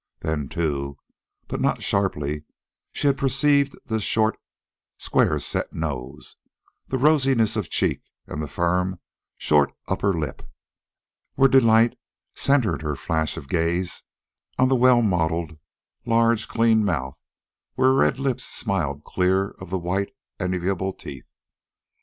Then, too, but not sharply, she had perceived the short, square set nose, the rosiness of cheek, and the firm, short upper lip, ere delight centered her flash of gaze on the well modeled, large clean mouth where red lips smiled clear of the white, enviable teeth.